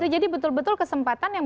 jadi betul betul kesempatan yang